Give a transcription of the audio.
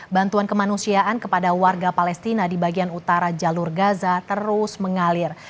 bantuan kemanusiaan kepada warga palestina di bagian utara jalur gaza terus mengalir